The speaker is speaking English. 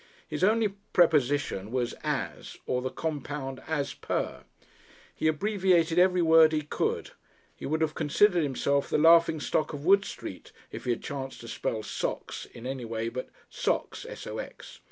His only preposition was "as" or the compound "as per." He abbreviated every word he could; he would have considered himself the laughing stock of Wood Street if he had chanced to spell socks in any way but "sox."